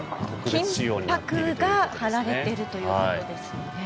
金箔が張られているということですよね。